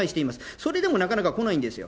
それでもなかなか来ないんですよ。